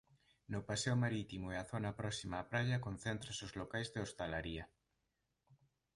No paseo marítimo e a zona próxima á praia concéntranse os locais de hostalaría.